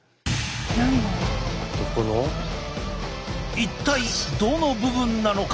一体どの部分なのか？